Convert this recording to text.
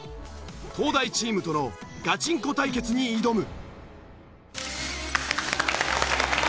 東大チームとのガチンコ対決に挑む。